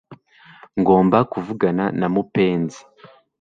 Ngomba kuvugana na mupenzi